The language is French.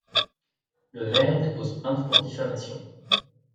Le maire dépose plainte pour diffamation.